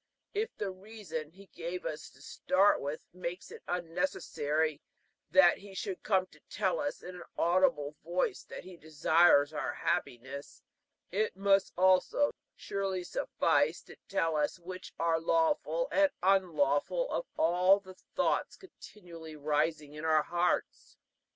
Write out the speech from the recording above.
If the reason he gave us to start with makes it unnecessary that he should come to tell us in an audible voice that he desires our happiness, it must also surely suffice to tell us which are lawful and which unlawful of all the thoughts continually rising in our hearts.